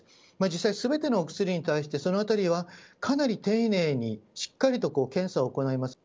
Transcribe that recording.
実際、すべてのお薬に対して、そのあたりはかなり丁寧にしっかりと検査を行います。